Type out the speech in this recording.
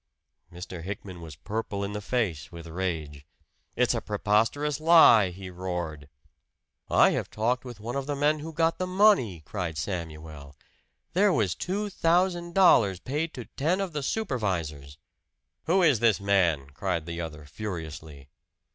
Mr. Hickman was purple in the face with rage. "It's a preposterous lie!" he roared. "I have talked with one of the men who got the money!" cried Samuel. "There was two thousand dollars paid to ten of the supervisors." "Who is this man?" cried the other furiously.